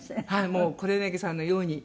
もう黒柳さんのように。